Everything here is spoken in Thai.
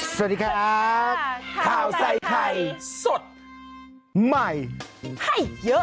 สวัสดีครับข้าวใส่ไข่สดใหม่ให้เยอะ